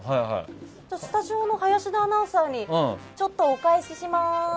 スタジオの林田アナウンサーにちょっとお返しします。